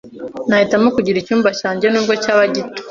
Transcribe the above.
Nahitamo kugira icyumba cyanjye, nubwo cyaba gito.